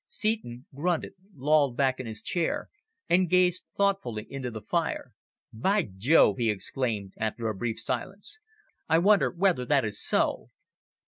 Seton grunted, lolled back in his chair, and gazed thoughtfully into the fire. "By Jove!" he exclaimed, after a brief silence. "I wonder whether that is so?"